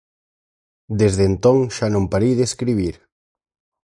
Desde entón xa non parei de escribir.